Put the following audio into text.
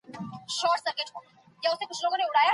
په اسلام کي د مور او پلار ډېر عزت دی.